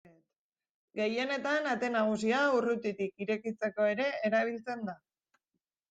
Gehienetan ate nagusia urrutitik irekitzeko ere erabiltzen da.